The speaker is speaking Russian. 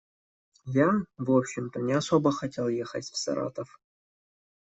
Я, в общем-то, не особо хотел ехать в Саратов.